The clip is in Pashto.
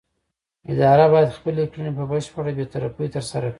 اداره باید خپلې کړنې په بشپړه بې طرفۍ ترسره کړي.